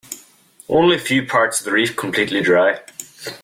Only few parts of the reef completely dry.